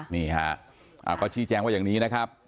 นี่ฮะก็ชี้แจงว่าอย่างนี้นะครับ